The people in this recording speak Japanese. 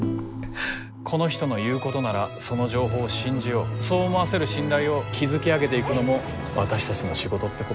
この人の言うことならその情報を信じようそう思わせる信頼を築き上げていくのも私たちの仕事ってことでしょうね。